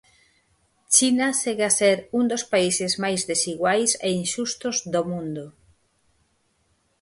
China segue a ser un dos países máis desiguais e inxustos do mundo.